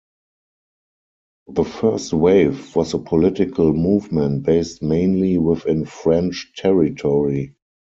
The first wave was a political movement based mainly within French territory.